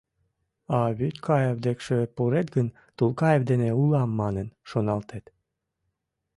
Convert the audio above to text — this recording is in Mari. А Вӱдкаев декше пурет гын, Тулкаев дене улам манын шоналтет.